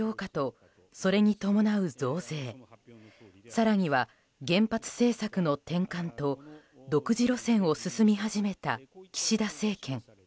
更には原発政策の転換と独自路線を進み始めた岸田政権。